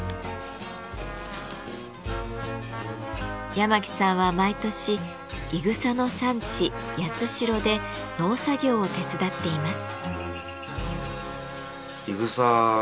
八巻さんは毎年いぐさの産地・八代で農作業を手伝っています。